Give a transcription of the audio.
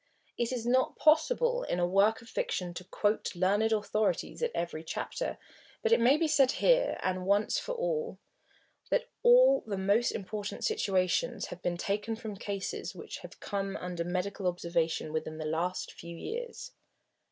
It is not possible, in a work of fiction, to quote learned authorities at every chapter, but it may be said here, and once for all, that all the most important situations have been taken from cases which have come under medical observation within the last few years.